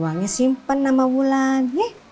uangnya simpen sama wulan